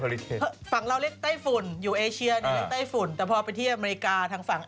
ฝั่งเราเรียกไต้ฝุ่นอยู่เอเชียนี่เรียกไต้ฝุ่นแต่พอไปที่อเมริกาทางฝั่ง